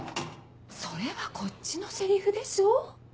それはこっちのセリフでしょ？